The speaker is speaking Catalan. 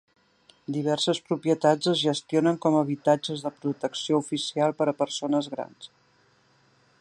Diverses propietats es gestionen com habitatges de protecció oficial per a persones grans.